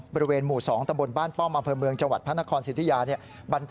บริเวณหมู่๒ตะบนบ้านป้อมอำเภอเมืองจังหวัดพระนครสิทธิยาเนี่ย